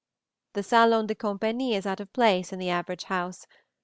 The salon de compagnie is out of place in the average house.